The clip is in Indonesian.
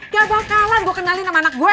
gak bakalan gue kenalin sama anak gue